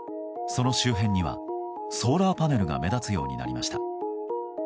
その周辺にはソーラーパネルが目立つようになりました。